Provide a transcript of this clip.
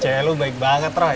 cewek lo baik banget roy